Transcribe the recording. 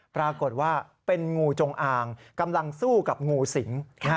ปรากฏว่าเป็นงูจงอางกำลังสู้กับงูสิง